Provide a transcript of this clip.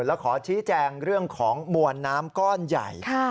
แล้วขอชี้แจงเรื่องของมวลน้ำก้อนใหญ่